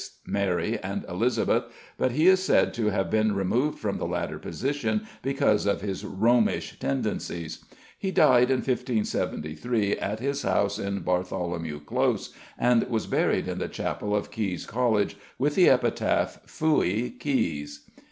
Mary, and Elizabeth, but he is said to have been removed from the latter position because of his Romish tendencies. He died in 1573 at his house in Bartholomew Close, and was buried in the chapel of Caius College, with the epitaph "Fui Caius."